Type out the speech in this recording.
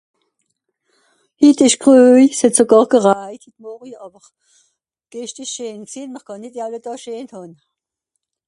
Hitt ìsch gröi, s'het sogàr gerajt hitt Morje àwer, gescht ìsch scheen gsìnn. Mìr kànn nìt àlle Dàà scheen hàn.